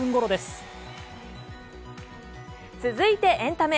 続いてエンタメ。